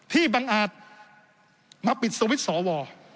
ที่บังอาจมาปิดสวิตช์สอวอ